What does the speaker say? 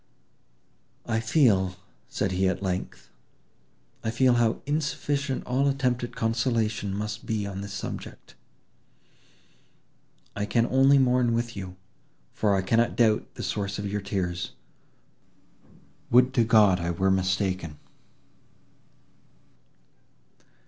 "I feel," said he at length, "I feel how insufficient all attempt at consolation must be on this subject. I can only mourn with you, for I cannot doubt the source of your tears. Would to God I were mistaken!"